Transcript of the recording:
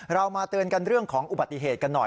เรามาเตือนกันเรื่องของอุบัติเหตุกันหน่อย